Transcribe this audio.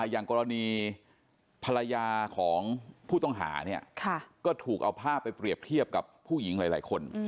อย่างกรณีภรรยาของผู้ต้องหาเนี่ยก็ถูกเอาภาพไปเปรียบเทียบกับผู้หญิงหลายคน